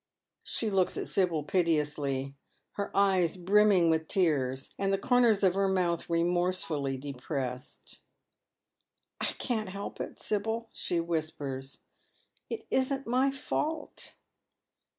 She looks at Sibyl piteously, her eyes brimming with tears, and the corners of her mouth remorsefully depressed. " I c§in't help it, Sibyl," she whispers. " It isn't my fault."